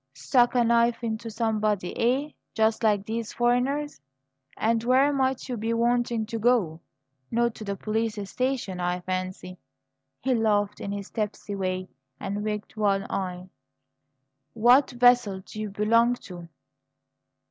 Stuck a knife into somebody, eh? Just like these foreigners! And where might you be wanting to go? Not to the police station, I fancy?" He laughed in his tipsy way, and winked one eye. "What vessel do you belong to?"